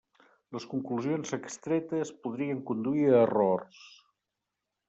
Les conclusions extretes podrien conduir a errors.